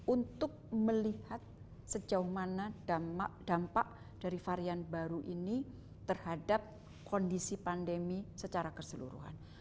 untuk melihat sejauh mana dampak dari varian baru ini terhadap kondisi pandemi secara keseluruhan